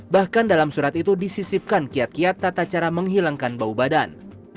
bahkan dalam surat itu disisipkan kiat kiat tata cara menghilangkan bau badan